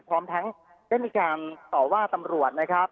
พร้อมทั้งได้มีการต่อว่าตำรวจนะครับ